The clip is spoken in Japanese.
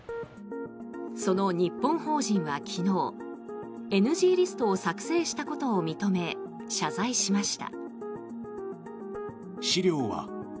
その日本法人は昨日ＮＧリストを作成したことを認め謝罪しました。